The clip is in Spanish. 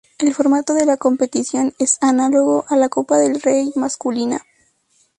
El formato de la competición es análogo a la Copa del Rey masculina.